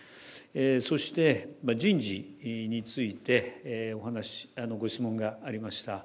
そして人事についてお話、ご質問がありました。